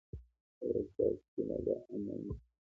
ایا ستاسو سیمه به امن وي؟